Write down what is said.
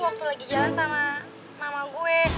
waktu lagi jalan sama mama gue